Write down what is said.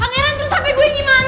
pangeran terus hp gue gimana dong